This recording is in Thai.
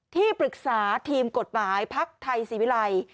ที่ปรึกษาทีมกฎหมายภักดิ์ไทยศิวิลัย